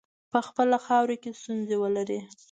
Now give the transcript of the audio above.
په خپله خاوره کې ستونزي ولري.